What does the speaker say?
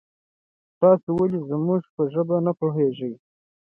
تاسو ولې زمونږ په ژبه نه پوهیږي؟